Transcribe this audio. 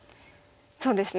そうですね。